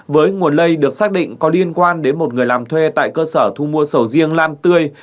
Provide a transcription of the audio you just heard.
với nguồn lây được xác định có liên quan đến một người làm thuê tại cơ sở thu mua sầu riêng lam tươi